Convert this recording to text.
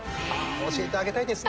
教えてあげたいですね